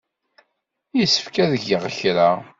Yessefk ad geɣ kra.